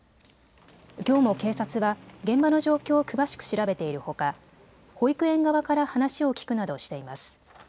きょうも警察は現場の状況を詳しく調べているほか保育園側から話を聞くなどしています。